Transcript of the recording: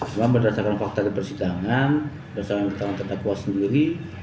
cuma berdasarkan fakta kebersidangan berdasarkan ketakwa sendiri